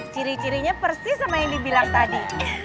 ciri cirinya persis sama yang dibilang tadi